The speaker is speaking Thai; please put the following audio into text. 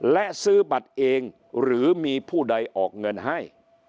และซื้อบัตรเองหรือมีผู้ใดออกเงินให้